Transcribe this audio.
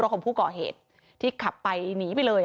แล้วทำท่าเหมือนลบรถหนีไปเลย